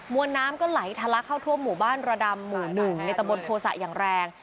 วนน้ำก็ไหลทะลักเข้าทั่วหมู่บ้านระดำหมู่๑ในตะบนโภษะอย่างแรง